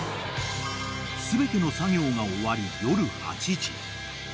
［全ての作業が終わり夜８時］